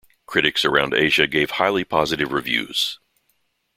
Critics around Asia gave highly positive reviews.